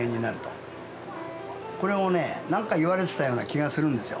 これをね何か言われてたような気がするんですよ。